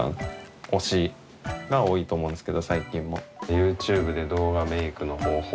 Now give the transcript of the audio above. ＹｏｕＴｕｂｅで動画メイクの方法みたいなＢＢ